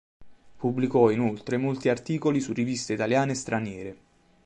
Pubblicò inoltre molti articoli su riviste italiane e straniere.